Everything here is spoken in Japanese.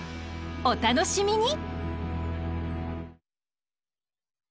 お楽しみに！